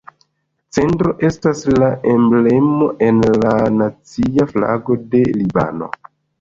Cedro estas la emblemo en la nacia flago de Libano.